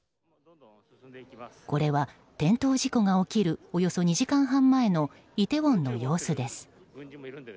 これは転倒事故が起きるおよそ２時間半前のイテウォンの様子です。